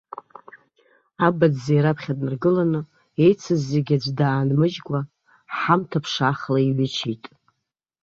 Абаӡӡеи раԥхьа днаргыланы, еицыз зегьы аӡә даанмыжькәа ҳамҭа ԥшаахла иҩычеит.